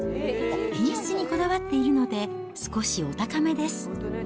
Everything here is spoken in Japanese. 品質にこだわっているので、少しお高めです。